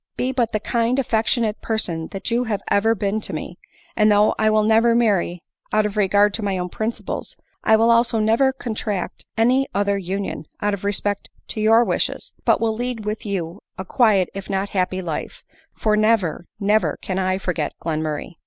" Be but the kind affectionate parent that you have ever been to me ; and though I will never marry, out of regard to ray own principles, I will also never contract any other union, out of respect to your wishes — but will lead with you a quiet, if not a happy life ; for never, never can I forget Glenmurray."